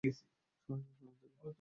সরে যাও সামনে থেকে!